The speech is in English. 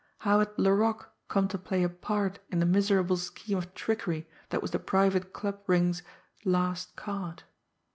How had Laroque come to play a part in the miserable scheme of trickery that was the Private Club Ring's last card.